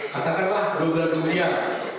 katakanlah dua bulan kemudian